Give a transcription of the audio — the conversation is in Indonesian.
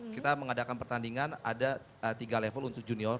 kita mengadakan pertandingan ada tiga level untuk junior